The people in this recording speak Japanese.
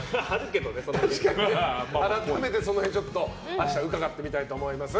改めて、その辺を伺ってみたいと思います。